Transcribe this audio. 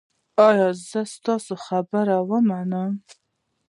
ایا زه ستاسو خبره منم؟